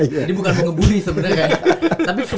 jadi bukan mau ngebully sebenarnya kan